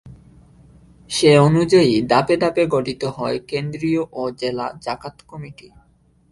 সে অনুযায়ী ধাপে ধাপে গঠিত হয় কেন্দ্রীয় ও জেলা জাকাত কমিটি।